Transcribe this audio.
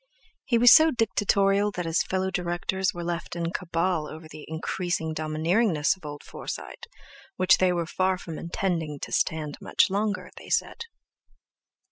He was so dictatorial that his fellow directors were left in cabal over the increasing domineeringness of old Forsyte, which they were far from intending to stand much longer, they said.